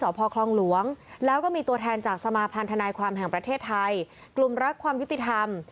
พ่อคลองหลวงแล้วก็มีตัวแทนจากสมาพันธนายความแห่งประเทศไทยกลุ่มรักความยุติธรรม